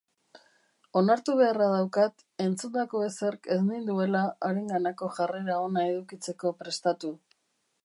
Onartu beharra daukat entzundako ezerk ez ninduela harenganako jarrera ona edukitzeko prestatu.